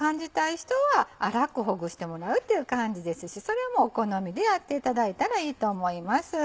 人は粗くほぐしてもらうっていう感じですしそれはもうお好みでやっていただいたらいいと思います。